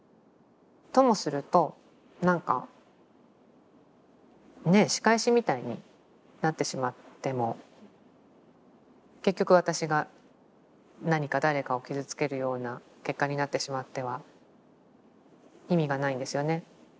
ともするとなんかね仕返しみたいになってしまっても結局私が何か誰かを傷つけるような結果になってしまっては意味がないんですよね。